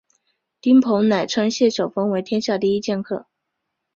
丁鹏仍称谢晓峰为天下第一剑客。